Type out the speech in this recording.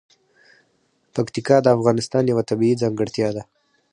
پکتیکا د افغانستان یوه طبیعي ځانګړتیا ده.